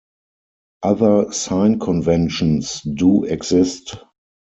Other sign conventions do exist.